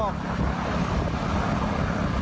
โอ้ย